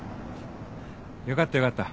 よかったよかった。